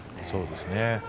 そうですね。